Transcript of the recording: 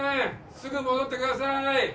すぐ戻ってください。